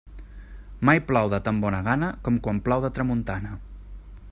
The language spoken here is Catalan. Mai plou de tan bona gana com quan plou de tramuntana.